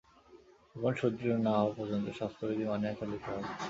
জীবন সুদৃঢ় না হওয়া পর্যন্ত শাস্ত্রবিধি মানিয়া চলিতে হয়।